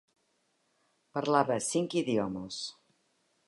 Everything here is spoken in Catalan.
Parlava cinc idiomes.